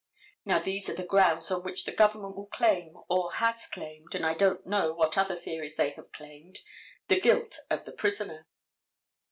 Now, these are the grounds on which the government will claim or has claimed, and I don't know what other theories they have claimed, the guilt of the prisoner.